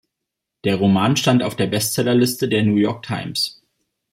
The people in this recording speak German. Der Roman stand auf der Bestsellerliste der New York Times.